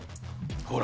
ほら。